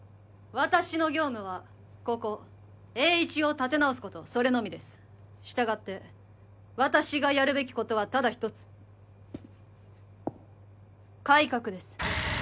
私の業務はここエーイチを立て直すことそれのみですしたがって私がやるべきことはただ一つ改革です